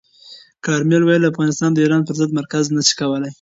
کارمل ویلي، افغانستان د ایران پر ضد مرکز نه شي.